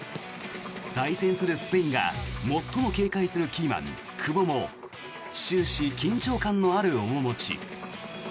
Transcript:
対戦するスペインが最も警戒するキーマン、久保も終始緊張感のある面持ち。